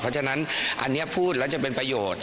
เพราะฉะนั้นอันนี้พูดแล้วจะเป็นประโยชน์